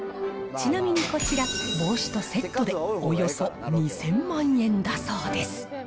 ちなみに、こちら、帽子とセットで、およそ２０００万円だそうです。